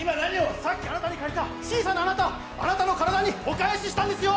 さっきあなたに借りた小さなあなたをあなたの体にお返ししたんですよ